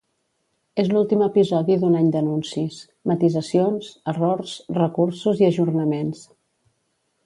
És l’últim episodi d’un any d’anuncis, matisacions, errors, recursos i ajornaments.